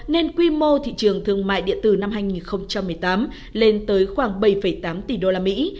nên quy mô thị trường thương mại điện tử năm hai nghìn một mươi tám lên tới khoảng bảy tám tỷ usd